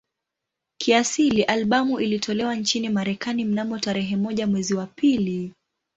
Kiasili albamu ilitolewa nchini Marekani mnamo tarehe moja mwezi wa pili